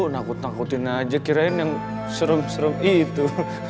nakut nakutin aja kirain yang serem serem itu